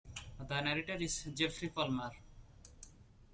The narrator is Geoffrey Palmer.